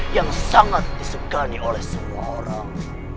yang sangat disegani oleh semua orang